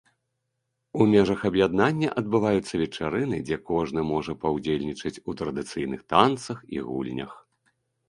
У межах аб'яднання адбываюцца вечарыны, дзе кожны можа паўдзельнічаць у традыцыйных танцах і гульнях.